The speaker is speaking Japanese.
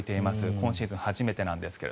今シーズン初めてなんですが。